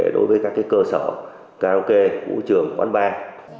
đối với các cơ sở karaoke vũ trường quán bar